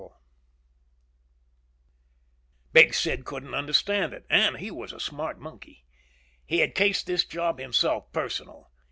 Big Sid couldn't understand it. And he was a smart monkey. He had cased this job himself personal.